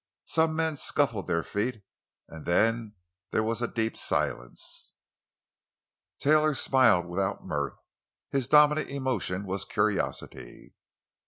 Some men scuffled their feet; and then there was a deep silence. Taylor smiled without mirth. His dominant emotion was curiosity.